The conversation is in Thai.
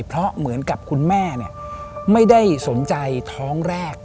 เพราะเหมือนกับคุณแม่ไม่ได้สนใจท้องแรก